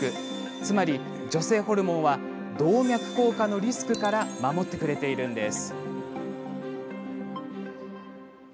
つまり女性ホルモンは動脈硬化のリスクから守ってくれているんです。